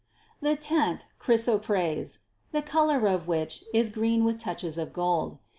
294 "The tenth, chrysoprase," the color of which is green with touches of gold.